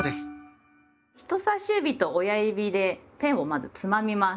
人さし指と親指でペンをまずつまみます。